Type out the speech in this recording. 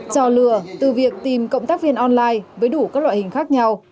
trò lừa từ việc tìm cộng tác viên online với đủ các loại hình khác nhau